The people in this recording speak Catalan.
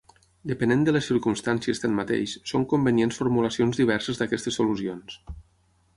Depenent de les circumstàncies, tanmateix, són convenients formulacions diverses d'aquestes solucions.